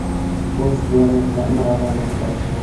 پوست دوه مربع متره ده.